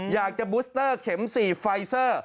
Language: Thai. อยากจะบูสเตอร์เข็ม๔ไฟเซอร์